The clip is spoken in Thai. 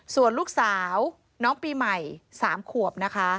ส่วนลูกสาวน้องปีใหม่๓ขวบนะคะ